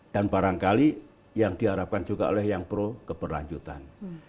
dan barangkali yang diharapkan juga oleh yang pro keberlanjutan